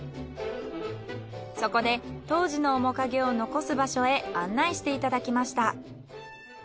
そこで当時の面影を残す場所へ案内していただきました。